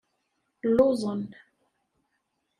Lluẓen.